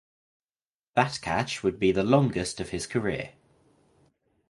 That catch would be the longest of his career.